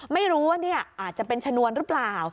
ไม่รู้ว่าอาจจะเป็นชนวนหรือเปล่า